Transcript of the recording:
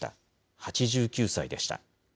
８９歳でした。